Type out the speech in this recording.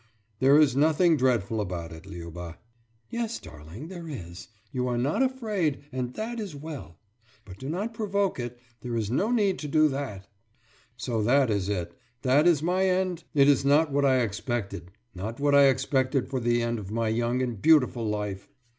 »There is nothing dreadful about it, Liuba.« »Yes, darling, there is. You are not afraid, and that is well. But do not provoke it. There is no need to do that.« »So that is it that is my end! It is not what I expected not what I expected for the end of my young and beautiful life.